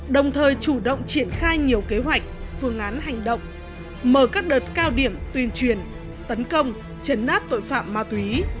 đồng thời chủ động triển khai nhiều kế hoạch phương án hành động mở các đợt cao điểm tuyên truyền tấn công chấn áp tội phạm ma túy